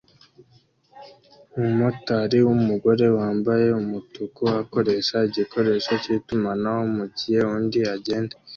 Umumotari wumugore wambaye umutuku akoresha igikoresho cyitumanaho mugihe undi agenda